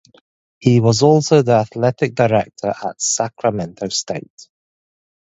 He was also the athletic director at Sacramento State.